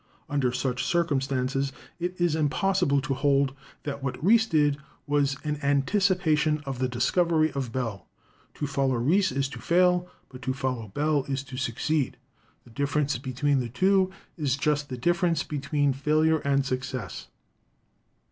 Under such circumstances it is impossible to hold that what Reis did was an anticipation of the discov ery of Bell. To follow Reis is to fail, but to follow Bell is to succeed. The difference between the two is just the difference between failure and success."